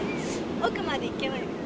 奥まで行けない。